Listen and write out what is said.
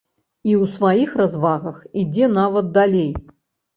І ў сваіх развагах ідзе нават далей.